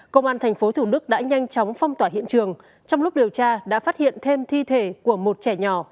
công an tp thủ đức đã nhanh chóng phong tỏa hiện trường trong lúc điều tra đã phát hiện thêm thi thể của một trẻ nhỏ